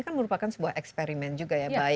ini kan merupakan sebuah eksperimen juga ya